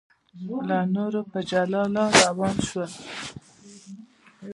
له نورو په جلا لار روان شول.